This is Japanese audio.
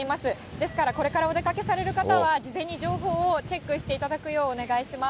ですからこれからお出かけされる方は、事前に情報をチェックしていただくようお願いします。